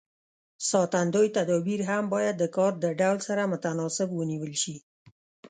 ساتندوی تدابیر هم باید د کار د ډول سره متناسب ونیول شي.